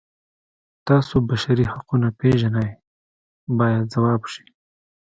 تاسو بشري حقونه پیژنئ باید ځواب شي.